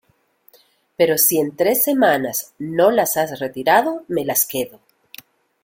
pero si, en tres semanas , no la has retirado , me las quedo.